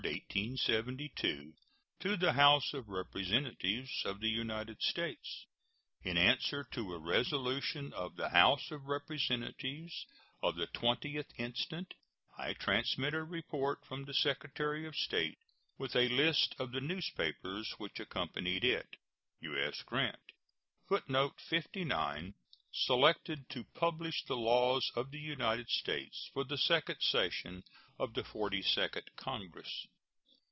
To the House of Representatives of the United States: In answer to a resolution of the House of Representatives of the 20th instant, I transmit a report from the Secretary of State, with a list of the newspapers which accompanied it. U.S. GRANT. [Footnote 59: Selected to publish the laws of the United States for the second session of the Forty second Congress.